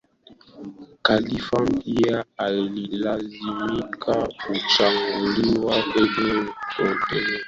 khalifa mpya alilazimika kuchaguliwa kwenye mkutano mkuu